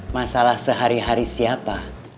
masalah sehari hari siapa